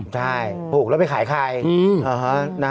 ใช่แล้วไปขายใคร